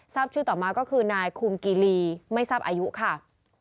ทราบชื่อต่อมาก็คือนายคุมกิลีไม่ทราบอายุค่ะ